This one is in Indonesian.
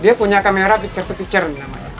dia punya kamera picture to picture namanya